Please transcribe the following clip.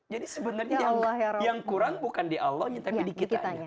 jadi sebenarnya yang kurang bukan di allah tapi di kita